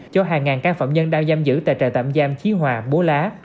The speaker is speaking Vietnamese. cho hàng ngàn can phạm nhân đang giam giữ tại trại tạm giam chí hòa bố lá